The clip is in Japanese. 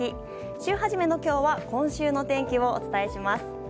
週初めの今日は今週の天気をお伝えします。